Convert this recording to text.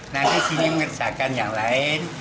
nanti sini mengerjakan yang lain